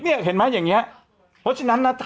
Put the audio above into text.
เพราะจริงแล้วเธอจิตใจช่วยจิตใจมาเธอ